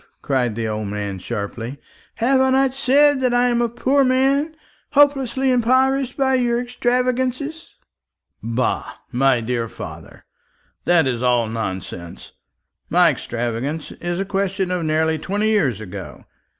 cried the old man sharply. "Have I not said that I am a poor man, hopelessly impoverished by your extravagance?" "Bah, my dear father, that is all nonsense. My extravagance is a question of nearly twenty years ago.